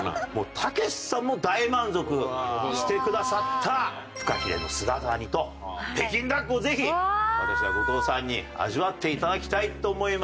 たけしさんも大満足してくださったフカヒレの姿煮と北京ダックをぜひ私は後藤さんに味わって頂きたいと思います。